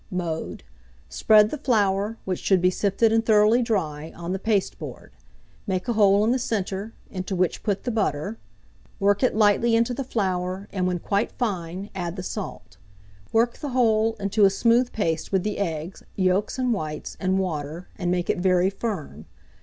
Mode. Spread the flour, which should be sifted and thoroughly dry, on the paste board; make a hole in the centre, into which put the butter; work it lightly into the flour, and when quite fine, add the salt; work the whole into a smooth paste with the eggs (yolks and whites) and water, and make it very firm.